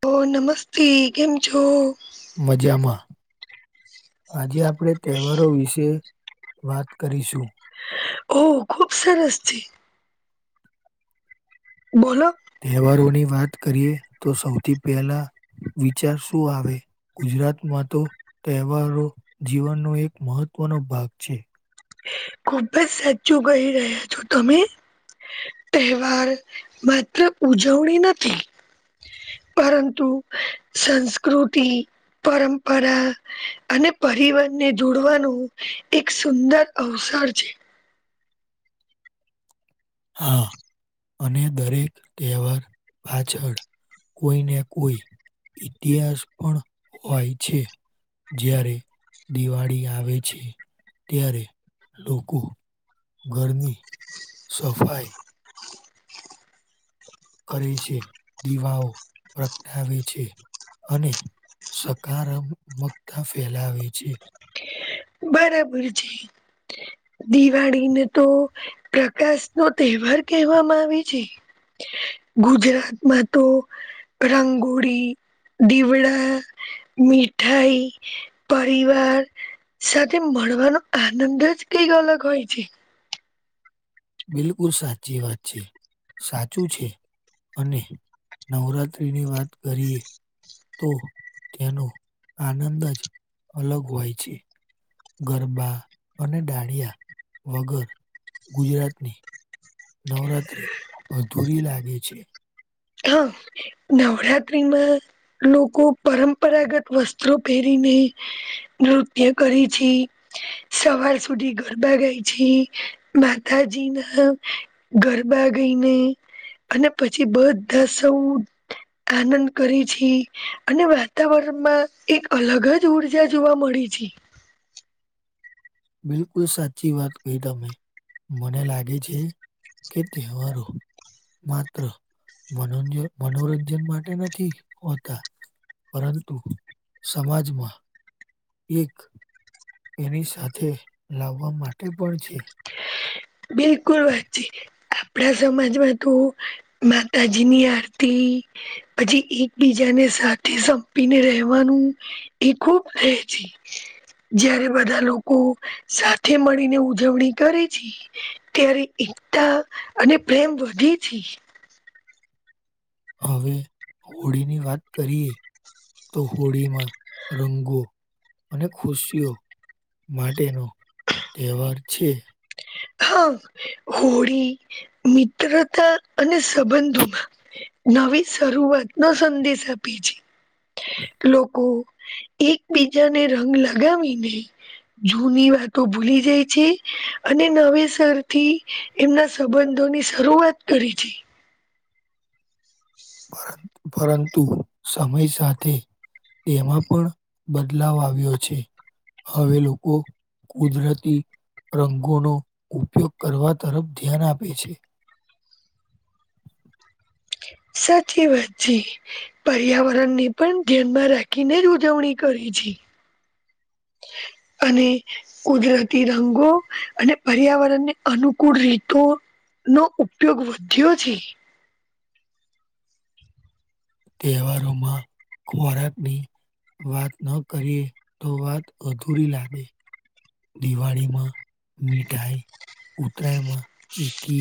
હ નમસ્તી કેમ છો. મજામાં. આજે આપણે તહેવારો વિશે વાત કરીશું. ઓ ખુબ સરસ છે. બોલો તહેવારોની. વાત કરીએ તો સૌથી પહેલા વિચાર શું આવે ગુજરાતમાં તો. તહેવારો જીવનનો એક મહત્વનો ભાગ છે. ખુબ જ સાચું કહી રહ્યા છો તમે. તહેવાર માત્ર ઉજવણી નથી. પરંતુ સંસ્કૃતિ. પરંપરા અને પરિવનને જોડવાનું એક સુંદર. અવસાર છે. હા અને દરેક કહેવાર પાછળ. કોઈને કોઈ ઇતિહાસ પણ હોય છે. જ્યારે દિવાળી આવે છે ત્યારે લોકો. ઘરની સફાઈ. કરે છે દીવાઓ પ્રગટાવે છે. અને સકારાત્મકતા ફેલાવે છે. બરાબર છે. દિવાળીને તો પ્રકાશ નો તહેવાર કહેવામાં આવે છે. ગુજરાતમાં તો રંગોળી દીવડા મીઠાઈ પરિવાર. સાથે મળવાનો આનંદ જ કઈક અલગ હોય છે. બિલકુલ સાચી વાત છે. સાચું છે. અને નવરાત્રીની વાત કરીએ તો તેનો આનંદ જ અલગ હોય છે. ગરબા અને ડાળયા વગર ગુજરાતની નવરાત્ર્રી અધૂરી લાગે છે. હા નવરાત્રીમાં લોકો પરંપરાગત વસ્ત્રો પહેરી ને નૃત્ય કરી છે, સવાર સુધી ગરબા ગાય છે. માતાજી ના ગરબા ગઈને અને પછી બધ દ સૌદ આનંદ કરીછી અને વાતાવરણમાં એક અલગ જ ઉર્જા જોવા મળી છે. [unintelligible] [inaudible] બિલકુલ સાચી વાત કહી તમે મને લાગે છે, કે તહેવારો માત્ર માનન્ય મનોરંજન માટે નથી હોતા. પરંતુ સમાજમાં એક એની સાથે લાવવા માટે પણ છે. બિલકુલ વાત છે, આપડા સમાજમાં તો માતાજી ની આરતી પછી એકબીજાને સાથે સંપીને રહેવાનું એ ખુબ પ્ર [inaudible] જયારે બધા લોકો સાથે મળીને ઉજવણી કરે છે. ત્યારે એકતા અને પ્રેમ વધી છે. હવે હોળીની વાત કરીએ તો હોળીમાં રંગો અને ખુશીઓ માટેનો તહેવાર છે. હા હોળી મિત્રતા અને સંબંધોમા નવી શરૂઆત નો સંદેશ આપે છે. લોકો એકબીજાને રંગ લગાવીને જૂની વાતો ભૂલી જાય છે. અને નવેસરથી એમના સંબંધોની શરૂઆત કરી છે. પરં પરંતુ સમય સાથે એમાં પણ બદલાવ આવ્યો છે. હવે લોકો કુદરતી રંગોનો ઉપયોગ કરવા તરફ ધ્યાન આપે છે. [inaudible] સાચી વાત છે પર્યાવરણ ને પણ ધ્યાનમાં રાખીને ઉજવણી કરીછી. [inaudible] અને કુદરતી રંગો અને પર્યાવરણની અનુકૂળ રીતો નો ઉપયોગ વધ્યો છે. તહેવારોમાં ખોરાકની વાત ન કરીએ તો વાત અધૂરી લાગે દિવાળીમાં મીઠાઈ, ઉતરાયણમાં ચીકી,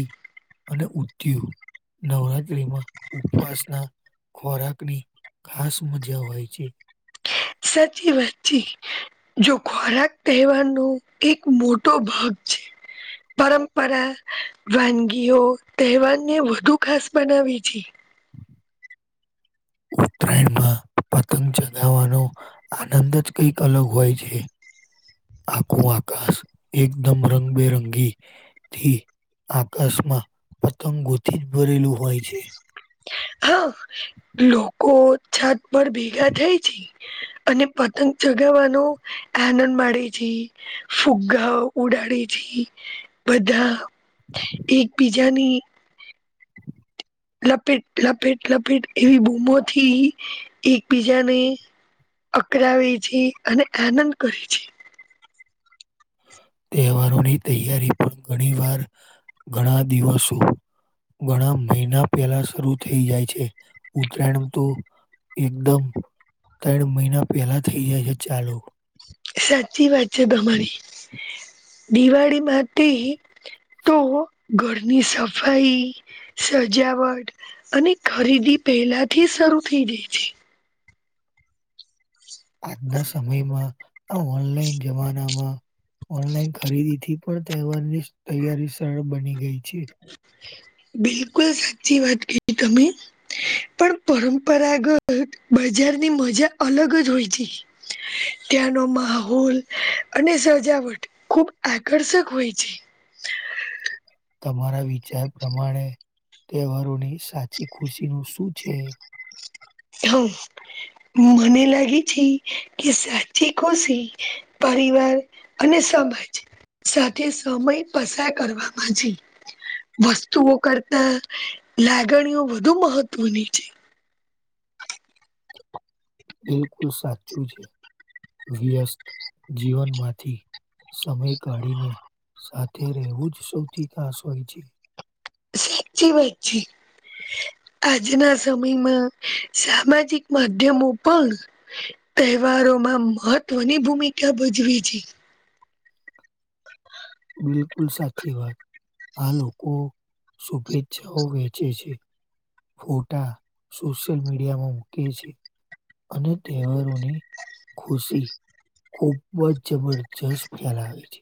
અને ઉંધીયુ નવરાત્રીમાં ઉપવાસના ખોરાકની ખાસ મજા હોય છે. સાચી વાતચી જો ખોરાક તહેવારનો એક મોટો ભાગ છે. પરંપરા વાનગીઓ તહેવારને વધુ ખાસ બનાવી છે. [inaudible] ઉતરાયણમાં પતંગ ચગાવવાનો આનંદ જ કંઈક અલગ હોય છે. આખું આકાશ એકદમ રંગબેરંગી થી આકાશમાં પતંગોથી જ ભરેલું હોય છે. હા લોકો છત પર ભેગા થાય છે. અને પતંગ ચગાવવાનો આનંદ માડે છે ફુગગા ઉડા [unintelligible] બધા એકબીજાની લપેટ લપેટ લપેટ એવી બૂમોથી એકબીજાને અકરાવી છે અને આનંદ કરીછી તહેવારોની તૈયારી પણ ઘણી વાર ઘણા દિવસો ઘણા મહિના પેલા શરૂ થઈ જાય છે ઉતરાયણ તો એકદમ ત્રણ મહિના પહેલા થઇ જાય છે ચાલુ સાચી વાત છે તમારી. દિવાળી માટે તો ઘરની સફાઈ સજાવટ અને ખરીદી પહેલાથી શરૂ થઈ જાય છે આજના સમયમાં આ ઓનલાઈન જમાનામાં ઓનલાઈન ખરીદીથી પણ તહેવારની તૈયારી સરળ બની ગઈ છે બિલકુલ સાચી વાત કીધી તમે પણ પરંપરાગત બજા જારની મજા અલગ જ હોય છે ત્યાનો માહોલ અને ખૂબ આકર્ષક હોય છે. તમારા વિચાર પ્રમાણે તહેવારોની સાચી ખુશીનું શું છે? હ મને લાગે છે કે સાચી કોશી પરિવાર અને સમાજ સાથે સમય પસાર કરવામાં છે. વસ્તુઓ કરતા લાગણીઓ વધુ મહત્વની છે. બિલકુલ સાચું છે વ્યસ્ત જીવનમાંથી સમય કાઢીને સાથે રહેવું જ સૌથી ખાસ હોય છે. સાચી વાત છે. આજના સમયમાં સામાજિક માધ્યમો પણ તહેવારોમાં મહત્વની ભૂમિકા ભજવી છે. બિલકુલ સાચી વાત આ લોકો શુભેચ્છાઓ વેચે છે ફોટા સોશિયલ મીડિયામાં મૂકે છે. અને તહેવારોની ખુશી ખૂબ જ જબરજસ્ત ફેલાવે છે.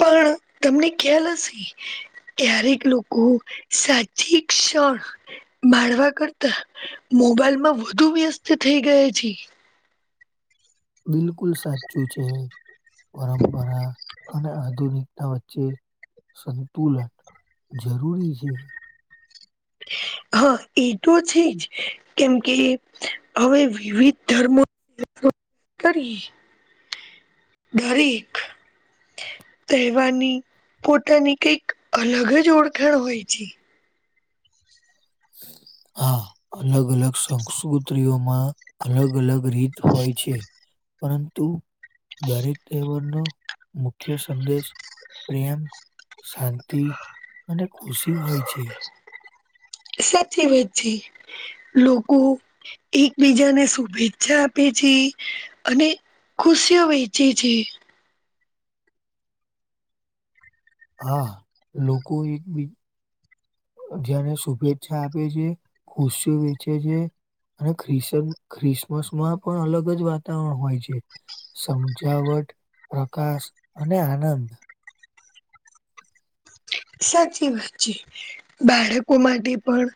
પણ તમને ખ્યાલ હશે ક્યારેક લોકો સાચી ક ણ માણવા કરતા મોબાઈલમાં વધુ વ્યસ્ત થઈ ગયા છે. બિલકુલ સાચું છે પરંપરા અને આધુનિક ના વચ્ચે સંતુલન જરૂરી છે. હા એ તો છે જ કેમકે હવે વિવિધ ધર્મ કરી દરેક તહેવારની પોતાની કઈક અલગ જ ઓળખાણ હોય છે હ હા અલગ અલગ સંસ્કૃતિઓમાં અલગ અલગ રીત હોય છે પરંતુ દરેક તહેવારનો મુખ્ય સંદેશ પ્રેમ શાંતિ અને ખુશી હોય છે. સાચી વાત છે લોકો એકબીજાને શુભેચ્છા આપે છે. અને ખુશીઓ વેચે છે. હા લોકો એક બી જાને શુભેચ્છા આપે છે ખુશઓ વેચે છે. અને ખ્રિસ ખ્રિસમસમાં પણ અલગ જ વાતાવરણ હોય છે. સમજાવટ પ્રકાશ અને આનંદ સાચી વાત છે બાળકો માટે પણ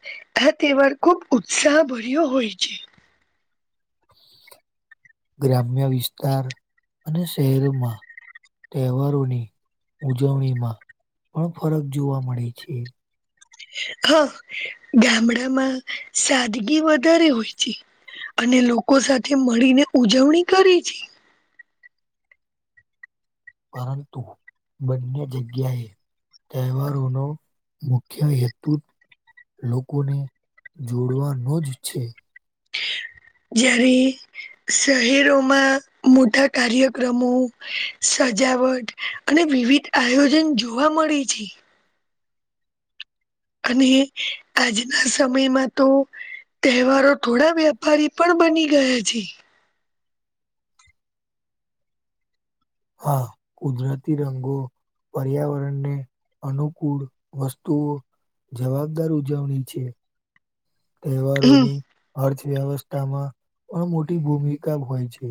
આ તહેવાર ખુબ ઉત્સાહ ભર્યો હોય છે. [inaudible] ગ્રામ્ય વિસ્તાર અને શહેરોમાં તહેવારોની ઉજવણીમાં પણ ફરક જોવા મળે છે. હા ગામડામાં સાદગી વધારે હોય છે. અને લોકો સાથે મળીને ઉજવણી કરી છે. પરંતુ બંને જગ્યાએ તહેવારોનો મુખ્ય હેતુ જ લોકોને જોડવાનો જ છે. જ્યારે શહેરોમાં મોટા કાર્યક્રમો સ- સજાવટ અને વિવિધ આયોજન જોવા મળે છે. અને આજના સમયમાં તો તહેવારો થોડા વ્યાપારી પણ બની ગયા છે. હા કુદરતી રંગો પર્યાવરણને અનુકૂળ વસ્તુઓ જવાબદાર ઉજવણી છે. હમ તહેવારોની અર્થવ્યવસ્થામાં પણ મોટી ભૂમિકા હોય છે.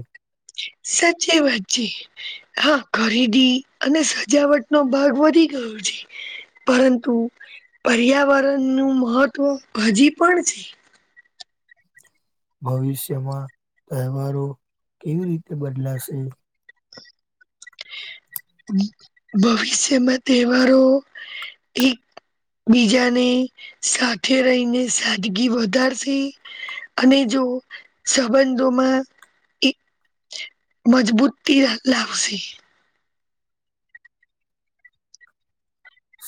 સાચી વાત છે, હા ખરીદી અને સજાવટ નો ભાગ વધી ગ- યો છે. પરંતુ પર્યાવરણ નું મહત્વ હજી પણ છે. ભવિષ્યમાં તહેવારો કેવી રીતે બદલાશે? ભ ભવિષ્યમાં તહેવારો એક બીજાને સાથે રહીને સાદગી વધારશે. અને જો સંબંધોમાં એક મજબૂતી લ લાવશે.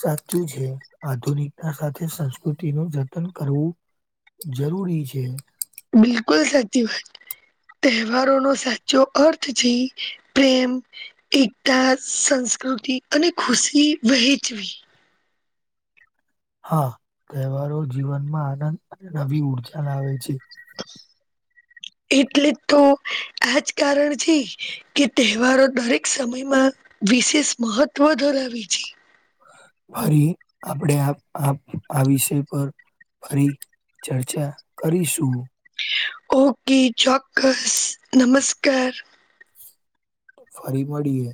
સાચું છે આધુનિકતા સાથે સંસ્કૃતિનું જતન કરવું. જરૂરી છે. કુલ સાચી વાત તહેવારોનો સાચો અર્થ છે પ્રેમ એકતા સંસ- કૃતિ અને ખુશી વહેચવી. હા તહેવારો જીવનમાં આનંદ, નવી ઉર્જા લાવે છે. [inaudible] એટલે જ તો આજ કારણ છે કે તહેવારો દરેક સમયમાં વિશેષ મહત્ત્વ ધરાવે છે. ફરી આપણે આ આ આ વિષય પર ફરી ચર્ચા કરીશું. ઓકે, ચોક્કસ નમસ્કાર. ફરી મળીએે.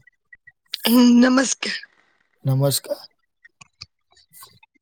હું નમસ્કાર નમસ્કાર [unintelligible]